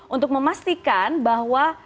untuk memastikan bahwa